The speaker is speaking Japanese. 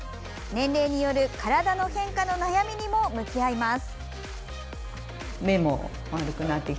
年齢による体の変化の悩みにも向き合います。